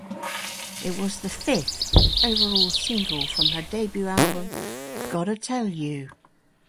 It was the fifth overall single from her debut album "Gotta Tell You".